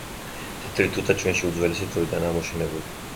თეთრი თუთა ჩვენში უძველესი დროიდანაა მოშენებული.